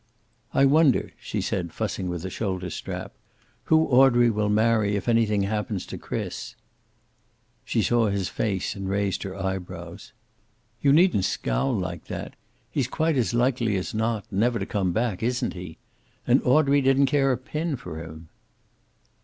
"I wonder," she said, fussing with a shoulder strap, "who Audrey will marry if anything happens to Chris?" She saw his face and raised her eyebrows. "You needn't scowl like that. He's quite as likely as not never to come back, isn't he? And Audrey didn't care a pin for him."